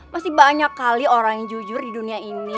masih banyak kali orang yang jujur di dunia ini